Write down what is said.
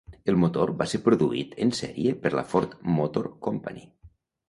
El motor va ser produït en sèrie per la Ford Motor Company.